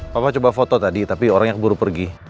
papa coba foto tadi tapi orangnya keburu pergi